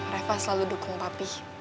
reva selalu dukung papi